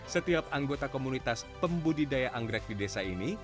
setiap anggota komunitas pembudidaya anggrek di desa ini